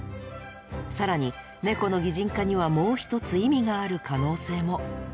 更にネコの擬人化にはもう一つ意味がある可能性も。